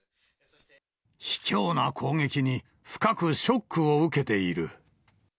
ひきょうな攻撃に深くショックを受けている。